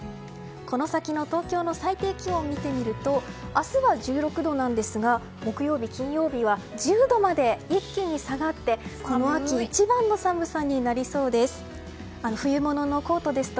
この先の東京の最低気温を見てみると明日は１６度なんですが木曜日、金曜日は１０度まで一気に下がってこの秋一番の寒さになりそうです。